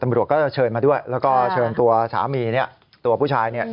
ตำรวจก็จะเชิญมาด้วยแล้วก็เชิญตัวสามีเนี่ยตัวผู้ชายเนี่ย